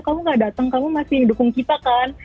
kamu gak datang kamu masih dukung kita kan